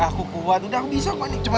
aku kuat udah aku bisa kok